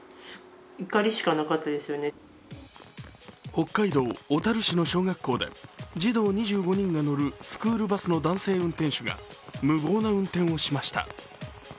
北海道小樽市の小学校で児童２５人が乗るスクールバスの男性運転手が無謀な運転をしました。